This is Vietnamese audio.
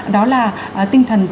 đó là tinh thần